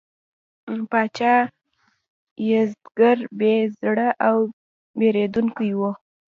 پاچا یزدګُرد بې زړه او بېرندوکی و.